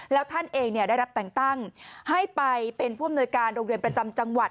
แล้วท่านเองได้รับแต่งตั้งให้ไปเป็นผู้อำนวยการโรงเรียนประจำจังหวัด